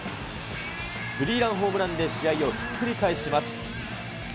スリーランホームランで試合をひっくり返します。